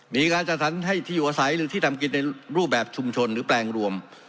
มีการจัดสรรให้ที่อยู่อาศัยหรือที่ทำกินในรูปแบบชุมชนหรือแปลงรวม